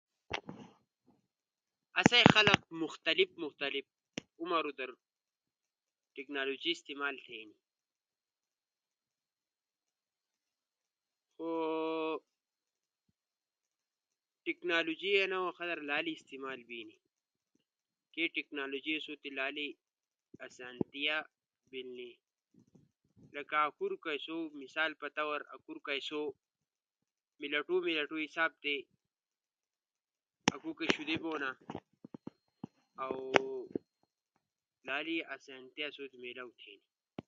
مختلفمختلف عمر در آسئی خلق مختلف ٹیکنالوجی استعمال تھینا، خو انا وخ در ٹیکنالوجی لالو استعمال بینی۔ کے ٹیکنالوجی آسوتی لالی اسانتیا بیلنی۔ لکہ مثال پہ طور اکھور کئی آسو میلٹو میلٹو حساب تی آسو کݜوجے کونا اؤ لالی اسانتیا آسو تی میلاؤ بیلسی۔